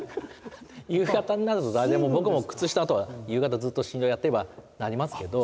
夕方になると誰でも僕も靴下跡は夕方ずっと診療やってればなりますけど。